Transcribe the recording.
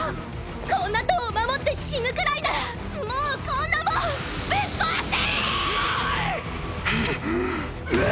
こんな塔を守って死ぬくらいならもうこんなもんぶっ壊せ！！！